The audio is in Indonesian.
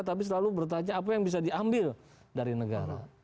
tapi selalu bertanya apa yang bisa diambil dari negara